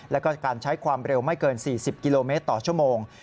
แล้วก็การใช้ความเร็วไม่เกิน๔๐กิโลเมตรต่อชั่วโมง